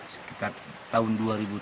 sekitar tahun dua ribu tiga